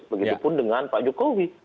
begitupun dengan pak jokowi